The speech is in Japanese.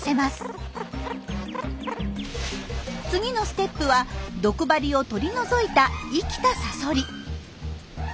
次のステップは毒針を取り除いた生きたサソリ。